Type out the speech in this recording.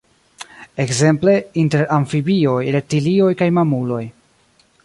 Ekzemple, inter amfibioj, reptilioj kaj mamuloj.